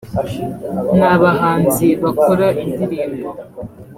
ni abahanzi bakora indirimbo